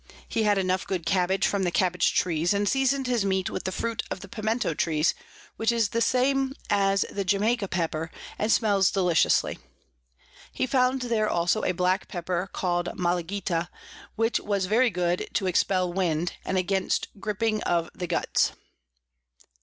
He had enough of good Cabbage from the Cabbage Trees, and season'd his Meat with the Fruit of the Piemento Trees, which is the same as the Jamaica Pepper, and smells deliciously. He found there also a black Pepper call'd Malagita, which was very good to expel Wind, and against Griping of the Guts.